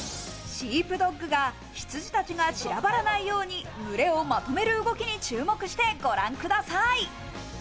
シープドッグが、羊たちが散らばらないように群れをまとめる動きに注目して、ご覧ください。